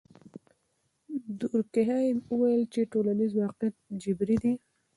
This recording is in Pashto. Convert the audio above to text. دورکهایم وویل چې ټولنیز واقعیت جبري دی.